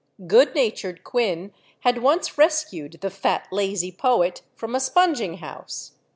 Good natured Quin had once rescued the fat lazy poet from a sponging house.